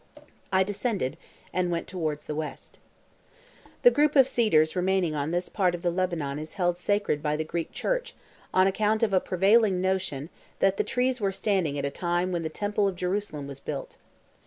I descended and went towards the west. The group of cedars remaining on this part of the Lebanon is held sacred by the Greek Church on account of a prevailing notion that the trees were standing at a time when the temple of Jerusalem was built.